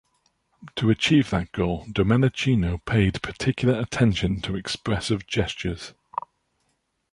To achieve that goal, Domenichino paid particular attention to expressive gestures.